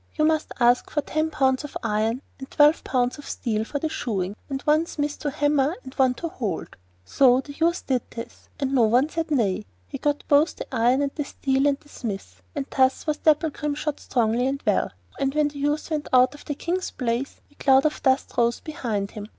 You must ask for ten pounds of iron and twelve pounds of steel for the shoeing, and one smith to hammer and one to hold.' So the youth did this, and no one said him nay. He got both the iron and the steel, and the smiths, and thus was Dapplegrim shod strongly and well, and when the youth went out of the King's palace a cloud of dust rose up behind him.